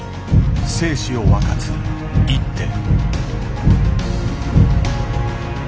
生死を分かつ一手。